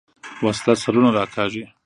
وسله سرونه راکاږي